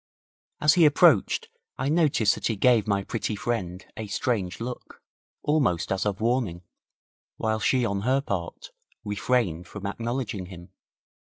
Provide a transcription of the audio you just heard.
As he approached I noticed that he gave my pretty friend a strange look, almost as of warning, while she on her part, refrained from acknowledging him.